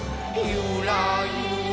ゆらゆら。